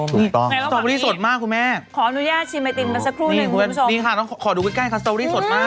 ถูกต้องสตอเบอรี่สดมากคุณแม่ขออนุญาตชิมไอติมมาสักครู่หนึ่งคุณผู้ชมนี่ค่ะต้องขอดูใกล้ใกล้ค่ะสตอรี่สดมาก